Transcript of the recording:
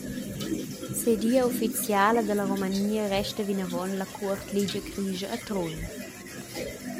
Sedia ufficiala dalla Romania resta vinavon la Cuort Ligia Grischa a Trun.